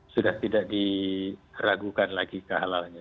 sudah tidak diragukan lagi kehalalannya